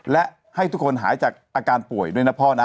และให้ทุกคนหายจากอาการป่วยด้วยนะพ่อนะ